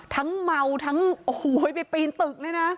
ทั้งเมาทั้งแต๊ไปปีนตึกน่ะ